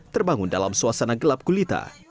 terbangun dalam suasana gelap gulita